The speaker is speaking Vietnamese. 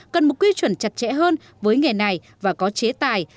cần một quy chuẩn chặt chẽ hơn với nghề này và có chế tài